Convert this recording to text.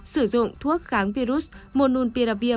sử dụng thuốc kháng virus mononpiravir